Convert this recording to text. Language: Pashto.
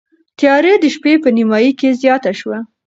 تیاره د شپې په نیمايي کې زیاته شوه.